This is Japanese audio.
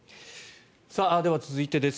では続いてです。